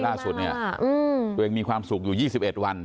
ตัวเองมีความสุขอยู่๒๑วัน